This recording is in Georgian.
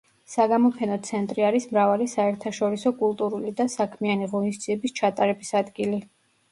საგამოფენო ცენტრი არის მრავალი საერთაშორისო კულტურული და საქმიანი ღონისძიების ჩატარების ადგილი.